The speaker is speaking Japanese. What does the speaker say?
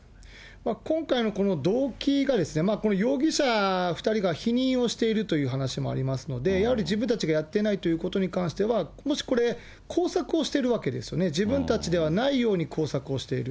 今回の動機がですね、この容疑者２人が否認をしているという話もありますので、やはり自分たちがやってないということに関しては、もしこれ、工作をしてるわけですよね、自分たちではないように工作をしている。